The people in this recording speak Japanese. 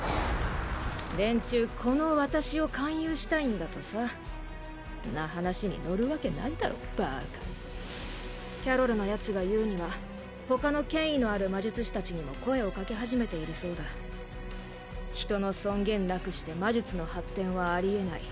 連中この私を勧誘したいんだとさんな話に乗るわけないだろバーカキャロルのヤツが言うには他の権威のある魔術師達にも声をかけ始めているそうだ人の尊厳なくして魔術の発展はありえない